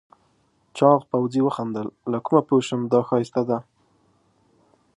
چاغ پوځي وخندل له کومه پوه شم دا ښایسته ده؟